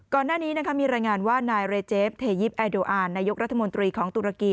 ก่อนหน้านี้มีรายงานว่านายเรเจฟเทยิปแอโดอานนายกรัฐมนตรีของตุรกี